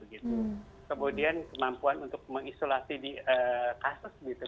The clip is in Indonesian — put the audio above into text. kemudian kemampuan untuk mengisolasi kasus gitu